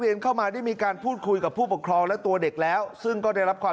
เข้ามาได้มีการพูดคุยกับผู้ปกครองและตัวเด็กแล้วซึ่งก็ได้รับความ